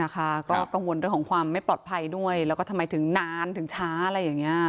ก็กังวลเรื่องของความไม่ปลอดภัยด้วยแล้วก็ทำไมถึงนานถึงช้าอะไรอย่างนี้